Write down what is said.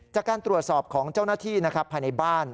จากการตรวจสอบของเจ้าหน้าที่นะครับภายในบ้าน